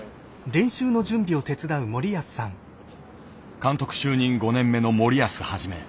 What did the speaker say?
監督就任５年目の森保一。